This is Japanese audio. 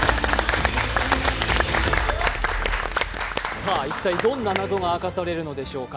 さあ、一体どんな謎が明かされるのでしょうか。